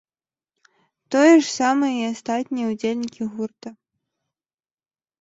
Тое ж самае і астатнія ўдзельнікі гурта.